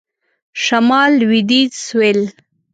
شمال .. لویدیځ .. سوېل ..